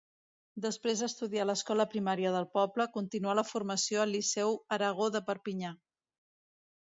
Després d'estudiar a l'escola primària del poble, continuà la formació al liceu Aragó de Perpinyà.